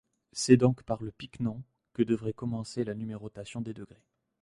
C'est donc par le pycnon que devrait commencer la numérotation des degrés.